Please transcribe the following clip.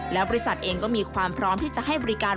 แล้วบริษัทเองก็มีความพร้อมที่จะให้บริการ